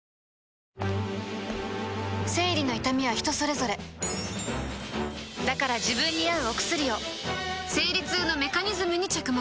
生理の痛みは人それぞれだから自分に合うお薬を生理痛のメカニズムに着目